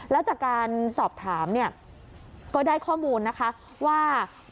แล้วจากการสอบถามก็ได้ข้อมูลว่า